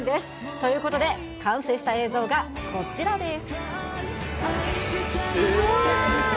ということで、完成した映像がこちらです。